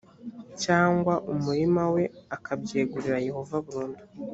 cyangwa umurima we akabyegurira yehova burundu